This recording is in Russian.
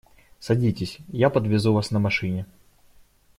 Садитесь, я подвезу вас на машине.